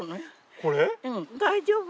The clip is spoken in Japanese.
大丈夫？